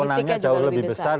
logistiknya juga lebih besar